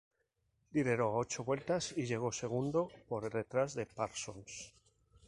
Lideró ocho vueltas y llegó segundo por detrás de Parsons.